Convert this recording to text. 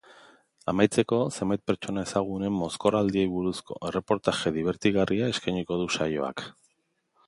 Amaitzeko, zenbait pertsona ezagunen mozkorraldiei buruzko erreportaje dibertigarria eskainiko du saioak.